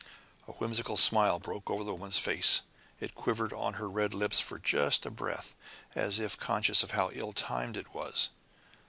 A whimsical smile broke over the woman's face. It quivered on her red lips for just a breath, as if conscious how ill timed it was.